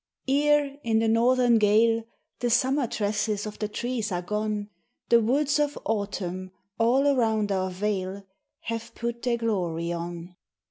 Ere, in the northern gale, The summer tresses of the trees are gone, The woods of Autumn, all around our vale, Have put their glory on.